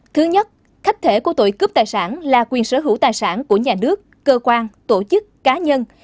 thứ nhất khách thể của tội cướp tài sản là quyền sở hữu tài sản của nhà nước cơ quan tổ chức cá nhân